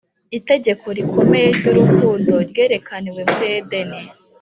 itegeko rikomeye ry’urukundo ryerekaniwe muri edeni